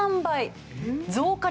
増加率